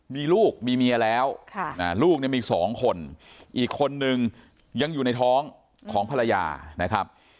มีลูกมีเมียแล้วลูกเนี่ยมีสองคนอีกคนนึงยังอยู่ในท้องของภรรยานะครับ